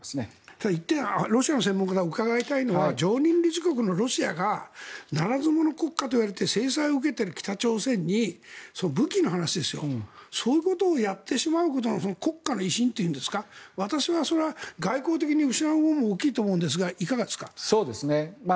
ただ１点ロシアの専門家に伺いたいのが常任理事国のロシアがならず者の国家といわれて制裁を受けている北朝鮮に武器の話ですよそういうことをやってしまうことの国家の威信というんですか私はそれは外交的に失うものも大きいと思うんですがそうですね。